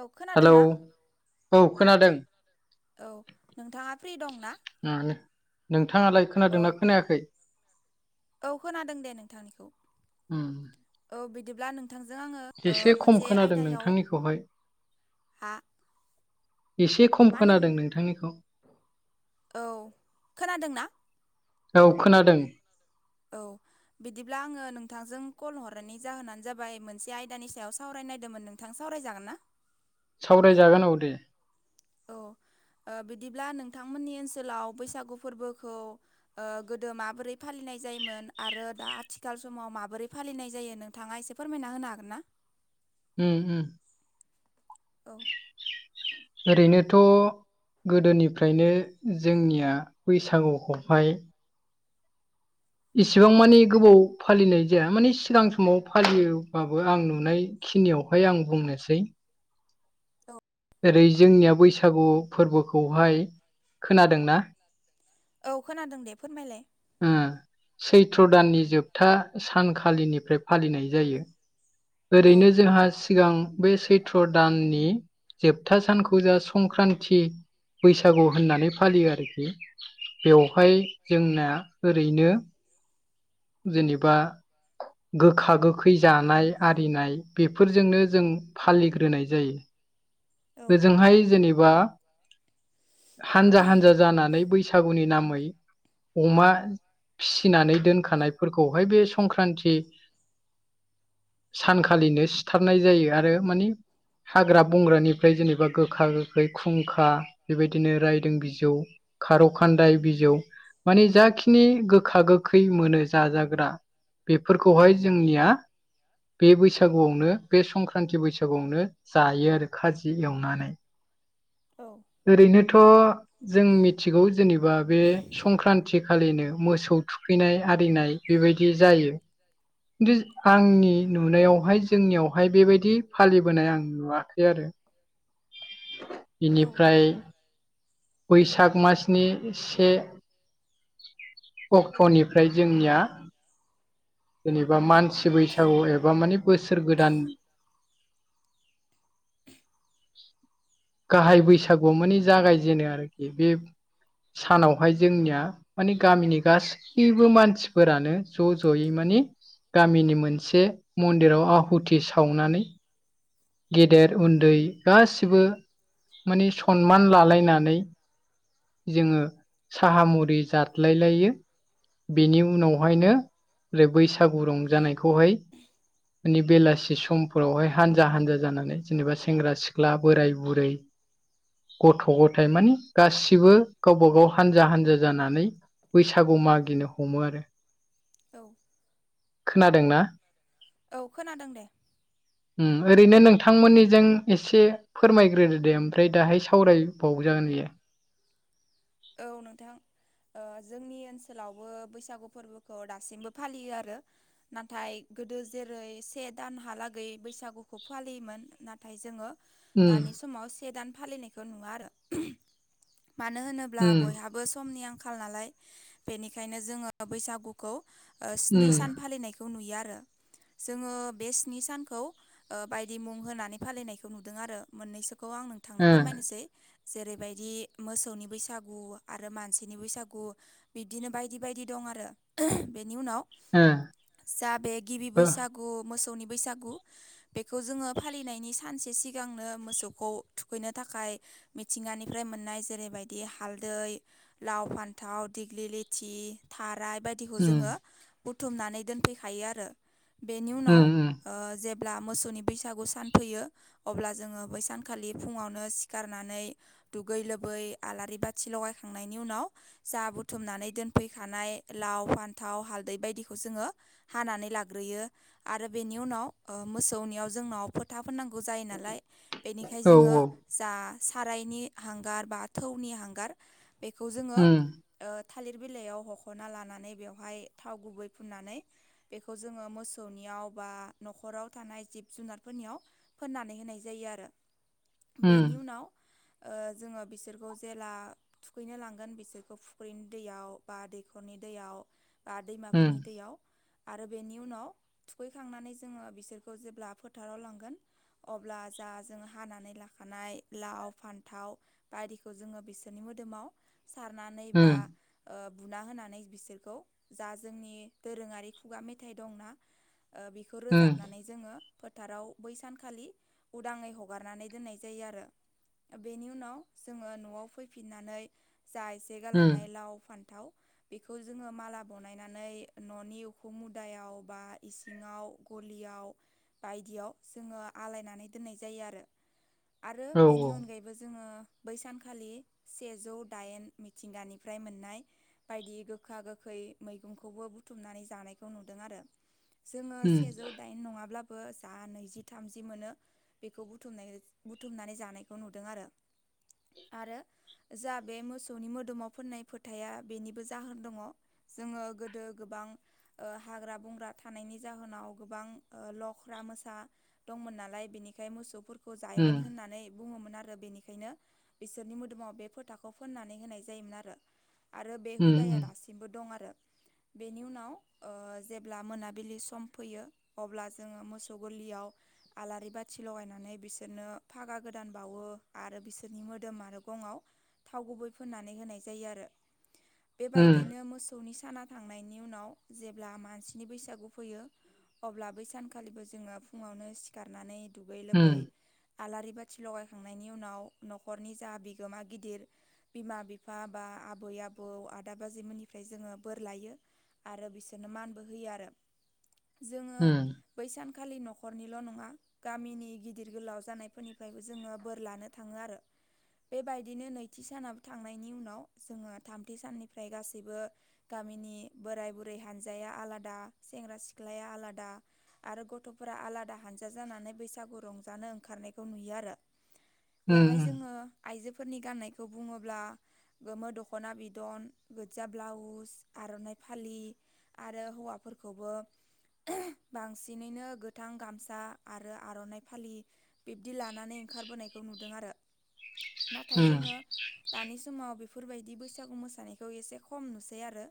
औ खोनादों हेलौ ना औ खोनादों औ नोंथाङा फ्रि दं ना। अम नोंथाङालाय खोनादोंना खोनायाखै औ खोनादों दे नोंथांनिखौ उम औ बिदिब्ला नों बिथांजों आङो एसे खम मोनसे खोनादों आयदायाव नोंथांनिखौहाय आ एसे खम खोनादों नोंथांनिखौ। औ खोनादोंना औ खोनादों औ बिदिब्ला आङो नोंथांजों कल हरनायनि जाहोनानो जाबाय मोनसे आयदानि सायाव सावरायनायदोंमोन नों बिथां सावरायजागोन ना सावरायजागोन औ दे औ बिदिब्ला नोंथांमोननि ओनसोलाव बैसागु फोरबोखौ ओ गोदो माबोरै फालिनाय जायोमोन आरो दा आथिखाल समाव माबोरै फालिनाय जायो नों थांङा एसे फोरमायना होनो हागोन ना। अम अम औ ओरैनोथ' गोदोनिफ्रायनो जोंनिया बैसागुखौहाय इसिबां मानि गोबाव फालिनाय जाया माने सिगां समाव फालियोबाबो आं नुनाय खिनियावहाय आं बुंनोसै औ ओरै जोंनिया बैसागु फोरबोखौहाय खोनादोंना औ खोनादों दे फोरमायलाय ओ सैथ्र दाननि जोबथा सानखालिनिफ्राय फालिनाय जायो औ ओरैनो जोंहा सिगां बे सैत्र दाननि जोबथा सानखौ जा संक्रान्ति बैसागु होननानै फालियो आरोखि बेवहाय जोंना ओरैनो जेनेबा गोखा गोखै जानाय आरिनाय बेफोरजोंनो जों फालिग्रोनाय जायो औ ओजोंहाय जेने बा हानजा हानजा जानानै बैसागुनि नामै अमा फिसिनानै दोनखानायफोरखौहाय बे संक्रान्ति सानखालिनो सिथारनाय जायो आरो माने हाग्रा बंग्रानिफ्राय जेनेबा गोखा गोखै खुंखा बेबायदिनो रायदों बिजौ खार' खान्दाय बिजौ माने जाखिनि गोखा गोखै मोनो जाजाग्रा बेफोरखौहाय जोंनिया बे बैसागुआवनो बे संक्रान्ति बैसागुआवनो जायो आरो खाजि एवनानै। औ ओरैनोथ' जों मिथिगौ जेनेबा बे संक्रान्त आथिखालिनो मोसौ थुखैनाय आरिनाय बेबायदि जायो खिन्थु आंनि नुनायावहाय जोंनियावहाय बेबायदि फालिबोनाय आं नुवाखै आरो औ बेनिफ्राय बैसाग मासनि से अक्ट'निफ्राय जोंनिया जेनेबा मानसि बैसागु एब माबा माने बोसोर गोदान उ गाहाय बैसागुआव माने जागायजेनो आरोखि बे सानावहाय जोंनिया माने गामिनि गासै खिबो मानसिफोरानो ज' ज'यै मानि गामिनि मोनसे मन्दिराव आहुथि सावनानै गेदेर उन्दै गासिबो माने सनमान लालायनानै जोङो साहा मुरि जादलाय लायो बेनि उनावहायनो ओरै बैसाग बैसागु रंजानायखौहाय मानि बेलासि समावहाय हानजा हनजा जानानै जेनेबा सेंग्रा सिख्ला बोराय बुरै गथ' गथायाइ मानि गासिबो गावबा गाव हानजा हानजा जानानै बैसागु मागिनो हमो आरो। औ खोनादों ना? औ खोनादों दे। उम ओरैनो नों नोंथांमोननिजों एसे फोरमायग्रोदो ओमफ्राय दाहाय सावराय बावजागोन बेयो औ नोंथां ओ जोंनि ओनसोलावबो बैसागु फोरबोखौ दासिमबो फालियो आरो नाथाय गोदो जेरै से दानहालागै बैसागुखौ फालियोमोन नाथाय नाथाय जोङो दानि समाव से दान फालिनायखौ नुवा आरो मानो होनोब्ला अब्ला उम बयहाबो समनि आंखाल नालाय बेनिखायनो जोङो बैसागु खौ स्नि उम सान फालिनायखौ नुयो आरो जोङो बे स्नि सानखौ बायदि मुं होनानै फालिनायखौ नुदों आरो मोननैसोखौ आं नों थांनो उम ओ फोरमायनोसै जेरैबायदि मोसौनि बैसागु बैसागु आरो मानसिनि बैसागु बिब्दिनो बायदि बायदि दं आरो बेनि उनाव ह जा बे गिबि बैसागु मोसौनि बैसागु बेखौ जोङो फालिनायनि सानसे सिगांनो मोसौखौ थुखैनो थाखाय मिथिंगानिफ्राय मोननाय जेरैबायदि हालदै लाव फान्थाव दिग्लि लेथि थाराय बायदिखौ उम जोङो बुथुमनानै दोनफैखायो आरो बेनि उनाव उम उम जेब्ला मोसौनि बैसागु सानफैयो अब्ला जोङो बै सानखालि फुङावनो सिखारनानै दुगै लोबै आलारि बाथि खाथि लगायखांनायनि उनाव जा बुथुमनानै दोनफैखानाय लाव फान्थाव हालदै बायदिखौ जोङो हानानै लाग्रोयो आरो बेनि उनाव ओ मोसौनियाव जोंनाव फो था फोननांगौ जायो नालाय बेनिखाय औ जोङो औ जा सारायनि हांगार बाथौनि हांगार बेखौ जोङो उम ओ थालिर बिलाइयाव हख'ना लानानै बेवहाय थाव गुबै फुननानै बेखौ जोङो मोसौनियाव बा न'खराव थानाय जिब जुनारफोरनियाव फोननानै होनाय जायो आरो। उम बेनि उनाव ओ जोङो बिसोरखौ जेला थुखैनो लांगोन बिसोरखौ फुख्रिनि दैयाव बा दैखरनि दैयाव बा दैमाफोरनि उम दैयाव आरो बेनि उनाव थुखैखांनानै जोङो बिसोरखौ जेब्ला फोथाराव लांगोन अब्ला जा जों हानानै लाखानाय लाव फान्थाव बादिखौ जोङो बिसो सोरनि मोदोमाव सारनानै बा उम ओ बुना होनानै बिसोरखौ जा जोंनि दोरोङारि खुगा मेथाइ दंना ओ बेखौ उम रोजाबनानै जोङो फोथाराव बै सानखालि उदाङै हगारनानै दोननाय जायो आरो। बेनि उनाव जोङो न'आव फै फिननानै जा एसे उम गालांनाय लाव फान्थाव बेखौ जोङो माला बनायनानै न'नि उखु मुदायाव बा इसिङाव गलियाव बायदियाव जोङो आलायनानै दोननाय जायो आरो। आरो औ बेनि अनगायैबो जोङो बैसानखालि सेजौ दाइन मिथिंगानिफ्राय मोननाय बायदि गोखा गोखै मैगंखौबो बुथुमनानै जानायखौ नुदों आरो। जोङो उम सेजौ दाइन नङाब्लाबो जा नैजि थामजि मोनो। बेखौ बुथुमनाय बुथुमनानै जानायखौ नुदों आरो आरो जा बे मोसौनि मोदोमाव फोननाय फोथाया बेनिबो जाहोन दङ'। जोङो गोदो गोबां ओ हाग्रा बंग्रा थानायनि जाहोनाव गोबां लख्रा मोसा दंमोन नालाय बेनिखाय मोसौफोर खौ उम जायोमोन होननानै बुङोमोन आरो बेनिखायनो बिसोरनि मोदाव बे फोथाखौ फोननानै होनाय जायोमोन आरो आरो बे हुदाया उम दासिमबो दं आरो। बेनि उनाव ओ जेब्ला मोनाबिलि सम फैयो अब्ला जोङो मोसौ गलियाव आलारि बाथि लगायनानै बिसोरनो फागा गोदान बावो आरो बिसोरनि मोदोम आरो गङाव थाव गुबै फोननानै होनाय जायो आरो उम बेबायदिनो मोस सौनि साना थांनायनि उनाव जेब्ला मानसिनि बैसागु फैयो अब्ला बै सानखालिबो जोङो फुङावनो सिखारनानै दुगै उम लोबै आलारि बाथि लगायखांनायनि उनाव न'खरनि जा बिगोमा गिदिर बिमा बिफा बा आबै आबौ आदा बाजैमोननिफ्राय जोङो बोर लायो। आरो बिसोरनो मानबो होयो आरो जोङो उम बै सानखालि न'खरनिल' नङा गामिनि गिदिर गोलाव जानायफोरनिफ्रायबो जोङो बोर लानो थाङो आरो। बेबायदिनो नैथि सानाव थांनायनि उनाव जोङो थामथि साननिफ्राय गासैबो गामिनि बोराय बुरै हानजाया आलादा सेंग्रा सिख्लाया आलादा आरो गथ'फोरा आलादा हानजा जानानै बैसागु रंजानो ओंखारनायखौ नुयो आरो। उम औ बेवहाय जोङो आइजोफोरनि गान्नायखौ बुङोब्ला गोमो दख'ना बिदन गोजा ब्लाउस आर'नाइ फालि आरो हौवाफोरखौबो बांसिनैनो गोथां गामसा आरो आर'नाइ फालि बिब्दि लानानै ओंखारबोनायखौ नुदों आरो नाथाय जोङो दानि समाव बेफोरबायदि बैसागु मोसानायखौ एसे खम नुसै आरो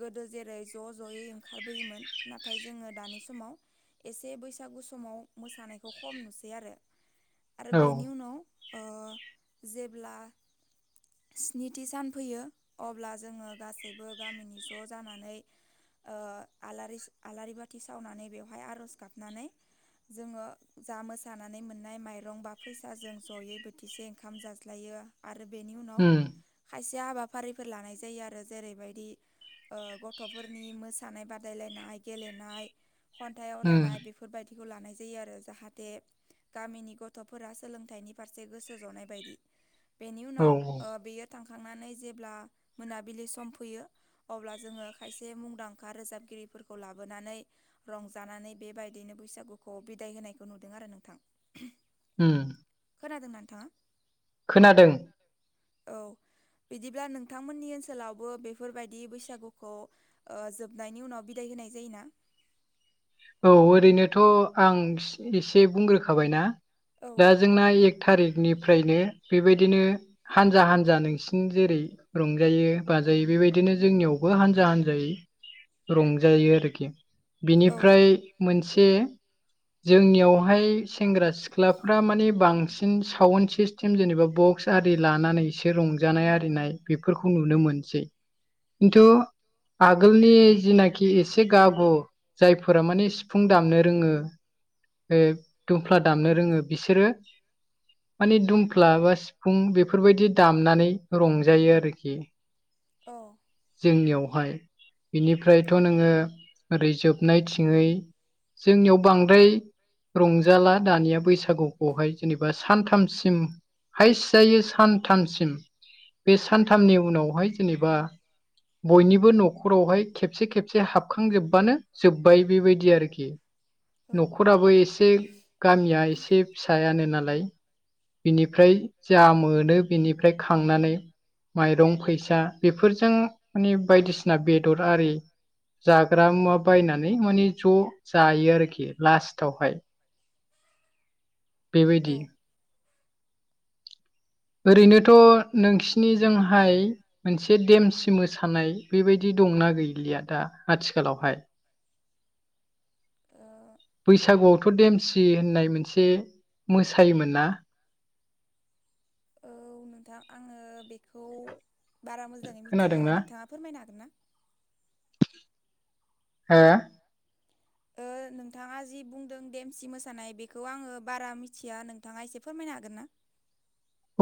गोदो जेरै ज' ज'यै ओंखारबोयोमोन नाथाय जोङो दानि समाव एसे बैसागु समाव मोसानायखौ खम नुसै आरो आरो बेनि उनाव जेब्ला स्निथि सान फैयो अब्ला जोङो गासैबो गामिनि ज' जानानै आलारि आलारि बाथि सावनानै बेवहाय आरज गाबनानै जोङो जा मोसानानै मोननाय माइरं बा फैसाजों जयै बोथिसे ओंखाम जाज्लायो आरो बेनि उनाव उम खायसे हाबाफारिफोर लानाय जायो आरो जेरैबायदि गथ'फोरनि मोसानाय बादायलायनाय गेलेनाय खन्थाइ उम आवरायनाय बेफोर बेफोरबायदिखौ लानाय जायो आरो जाहाथे गामिनि गथ'फोरा सोलोंथाइनि फारसे गोसो जनाय बायदि बेनि औ उनाव बेयो थांखांनानै जेब्ला मोनाबिलि सम फैयो अब्ला जोङो खायसे मुंदांखा रोजाबगिरिफोरखौ लाबोनानै रंजानानै बेबायदिनो बैसागुखौ बिदाय होनायखौ नुदों आरो नोंथां हम खोनादों नोंथाङा खोनादों औ बिदिब्ला नोंथांमोननि ओनसोलावबो बेफोरबायदि बैसागुखौ जोबनायनि उनाव बिदाय होनाय जायोना औ ओरैनोथ' आं एसे बुंग्रोखाबायना औ दा जोंना एक थारिकनिफ्रायनो बेबायदिनो हानजा हानजा नोंसिन जेरै रंजायो बाजायो बेबायदिनो जोंनियावबो हान्जा हान्जायै रंजायो आरोखि बिनि औ बेफ्राय मोनसे जोंनियावहाय सेंग्रा सिख्लाफ्रा मानिे बांसिन बिसिन साउन्ड सिस्टेम जेनेबा बक्स आरि लानानै एसे रंजानाय आरिनाय बेफोरखौ नुनो मोनसै खिन्थु आगोलनि जिनाखि एसे गाबु जायफोरा माने सिफुं दामनो रोङो बे दुमफ्ला दामनो रोङो बिसोरो माने दुमफ्ला बा सिफुं बेफोरबायदि दामनानै रंजायो आरोखि औ जोंनियावहाय बिनिफ्रायथ' नोङो ओरै जोबनाय थिङै जोंनियाव बांद्राय रंजाला दानिया बैसागुखौहाय जेनेबा सानथामसिम हाइस्ट जायो सानथामसिम बे सानथामनि उनावहाय जेनेबा बयनिबो नखरावहाय खेबसे खेबसे हाबखांजोबबानो जोब्बाय बेबायदि आरोखि औ न'खराबो एसे गामिया एसे फिसायानो नालाय बिनिफ्राय जा मोनो बिनिफ्राय खांनानै माइरं फैसा बेफोरजों माने बायदिसिना बेदर आरि जाग्रा मुवा बायनानै माने ज जायो आरोखि लास्टावहाय बेबायदि ओ ओरैनोथ' नोंसिनिजोंहाय मोनसे देमसि मोसानाय बेबायदि दंना गैलिया दा आथिखालावहाय बैसागुआव थ देमसि होननाय मोनसे मोसायोमोन ना औ नोंथां आङो बेखौ बारा मोजाङै मिथिया खोनादोंना नोंथाङा फोरमायनो हागोन ना हो। ओ नोंथाङा जि बुंदों देमसि मोसानाय बेखौ आङो बारा मिथिया नोंथाङा एसे फोरमायनो हागोन ना।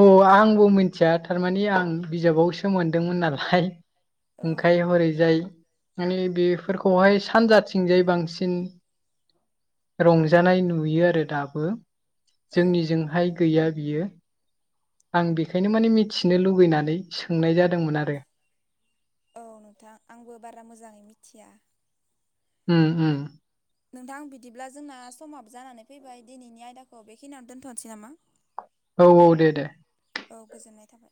अ आंबो मिथिया थारमानि आं बिजाबावसो मोनदोंमोन नालाय। औ ओंखाय हरैजाय माने बेफोरखौहाय सानजाथिंजाय बांसिन रंजानाय नुयो आरो दाबो औ जोंनिजोंहाय गैया बियो। आं बेखायनो माने मिथिनो लुुबैनानै सोंनाय जादोंमोन आरो। औ नोंथां आंबो बारा मोजाङै मिथिया। ओम ओम। नोंथां बिदिब्ला जोंना समाबो जानानै फैबाय दिनैनि आयदाखौ बेखिनियावनो दोनथ'नोसै नामा। औ औ दे दे। औ गोजोननाय थाबाय।